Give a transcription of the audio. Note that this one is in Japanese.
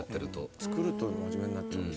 作ると真面目になっちゃいますよね。